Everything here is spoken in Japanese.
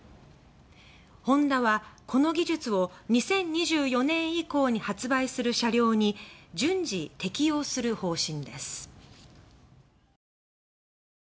ホンダは、この技術を２０２４年以降に発売する車両に順次適用し三枝。